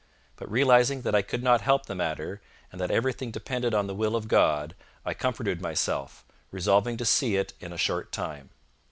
But realizing that I could not help the matter, and that everything depended on the will of God, I comforted myself, resolving to see it in a short time.